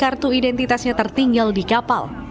kartu identitasnya tertinggal di kapal